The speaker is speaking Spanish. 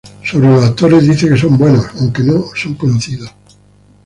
Sobre los actores dice que son buenos, aunque no son conocidos.